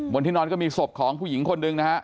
ที่นอนก็มีศพของผู้หญิงคนหนึ่งนะฮะ